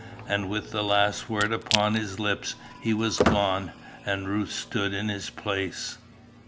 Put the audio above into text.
And with the last word upon his lips he was gone and Ruth stood in his place.